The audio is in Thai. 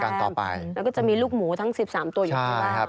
แล้วก็จะมีลูกหมูทั้ง๑๓ตัวอยู่ที่บ้าน